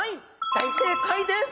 大正解です。